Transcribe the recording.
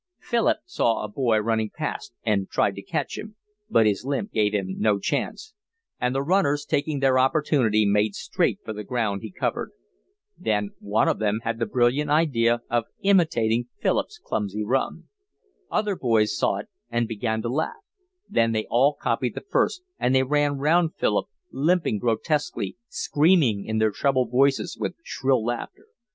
Philip saw a boy running past and tried to catch him, but his limp gave him no chance; and the runners, taking their opportunity, made straight for the ground he covered. Then one of them had the brilliant idea of imitating Philip's clumsy run. Other boys saw it and began to laugh; then they all copied the first; and they ran round Philip, limping grotesquely, screaming in their treble voices with shrill laughter.